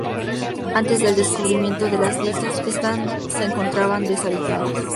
Antes del descubrimiento de las islas, estas se encontraban deshabitadas.